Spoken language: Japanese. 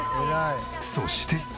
そして。